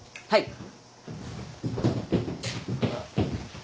はい。